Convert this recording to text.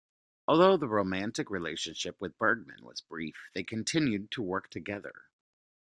Although the romantic relationship with Bergman was brief, they continued to work together.